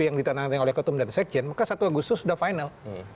yang ditandatangani oleh ketum dan sekjen maka satu agustus sudah final